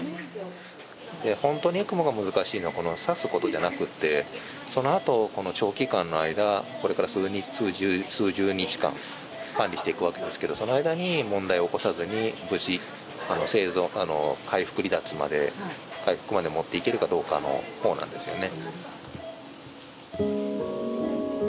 ほんとにエクモが難しいのは挿すことじゃなくってそのあと長期間の間これから数日数十日間管理していくわけですけどその間に問題を起こさずに無事生存回復離脱まで回復までもっていけるかどうかのほうなんですよね。